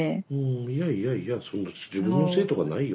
いやいやいやそんな自分のせいとかないよ。